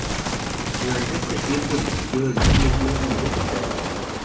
Durante este tiempo, dirigió el "Cine-Club" universitario.